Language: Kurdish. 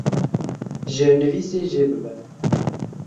Jêrnivîsê jê bibe.